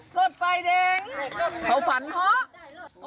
เกิดไปเด็งเขาฝันพอโอ้ย